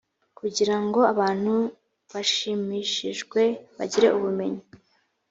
kugira ngo abantu bashimishijwe bagire ubumenyi